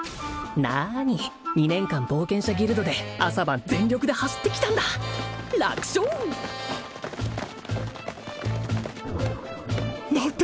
なに２年間冒険者ギルドで朝晩全力で走ってきたんだ楽勝！なんて